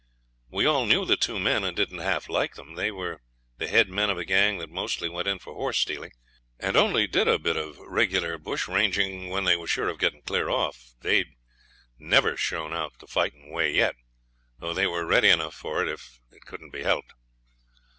We all knew the two men, and didn't half like them. They were the head men of a gang that mostly went in for horse stealing, and only did a bit of regular bush ranging when they was sure of getting clear off. They'd never shown out the fighting way yet, though they were ready enough for it if it couldn't be helped.